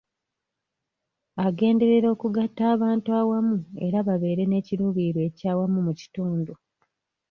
Agenderera okugatta abantu awamu era babeere n'ekiruubirirwa ekyawamu mu kitundu.